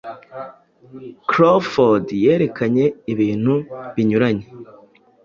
Crawford yerekanye ibintu binyuranye